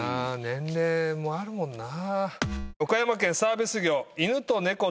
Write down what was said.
年齢もあるもんな。